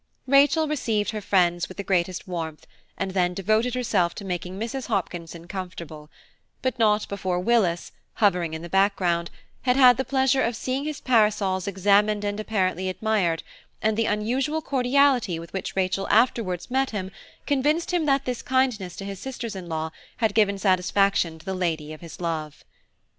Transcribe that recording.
Rachel received her two friends with the greatest warmth, and then devoted herself to making Mrs. Hopkinson comfortable; but not before Willis, hovering in the background, had had the pleasure of seeing his parasols examined and apparently admired, and the unusual cordiality with which Rachel afterwards met him convinced him that this kindness to his sisters in law had given satisfaction to the lady of his love.